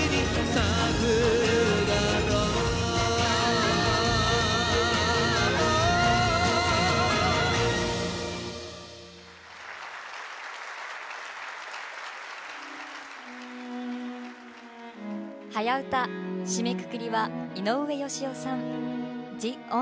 締めくくりは井上芳雄さん「ＴｈｅＯｎｌｙ」。